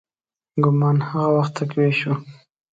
ګومان هغه وخت تقویه شو.